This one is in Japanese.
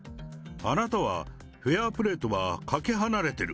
あなたはフェアプレーとはかけ離れてる。